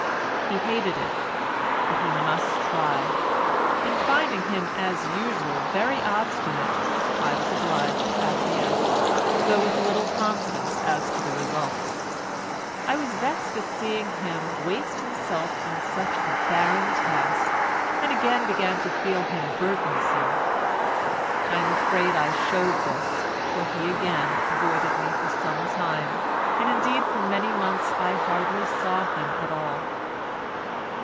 He hated it, but he must try; and finding him as usual very obstinate I was obliged to acquiesce, though with little confidence as to the result. I was vexed at seeing him waste himself upon such a barren task, and again began to feel him burdensome. I am afraid I showed this, for he again avoided me for some time, and, indeed, for many months I hardly saw him at all.